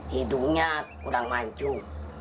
hidungnya kurang mancung